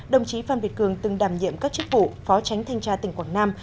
đồng chí phan việt cường từng đàm nhiệm các chức vụ phó tránh thanh tra tỉnh quảng nam